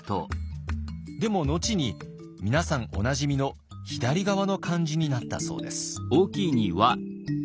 でも後に皆さんおなじみの左側の漢字になったそうです。